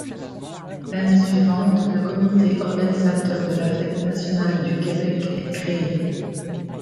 L'année suivante, le comité organisateur de la Fête nationale du Québec est créé.